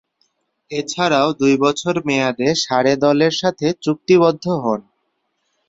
এছাড়াও দুই বছর মেয়াদে সারে দলের সাথে চুক্তিবদ্ধ হন।